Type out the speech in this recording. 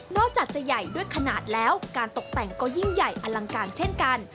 จากจะใหญ่ด้วยขนาดแล้วการตกแต่งก็ยิ่งใหญ่อลังการเช่นกัน